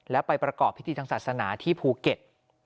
แล้วไปประกอบพิธีทางศาสนาที่ภูเก็ต